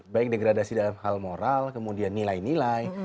baik degradasi dalam hal moral kemudian nilai nilai